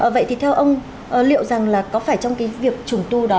vậy thì theo ông liệu rằng là có phải trong cái việc trùng tu đó